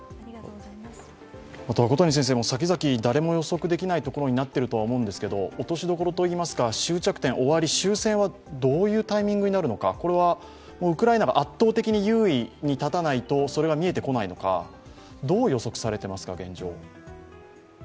小谷先生、先々誰も予測できないところになっていると思いますが落としどころといいますか終着点、終わり、終戦はどういうタイミングになるのか、これはウクライナが圧倒的に優位に立たないとそれが見えてこないのかどう予測されていますか、現状。